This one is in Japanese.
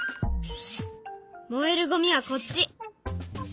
燃えるゴミはこっち。